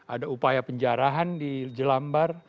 ada upaya penjarahan di jelambar